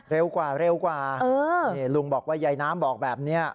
เร็วกว่าเร็วกว่านี่ลุงบอกว่ายายน้ำบอกแบบนี้